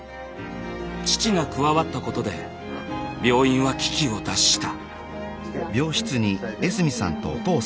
父が加わったことで病院は危機を脱した。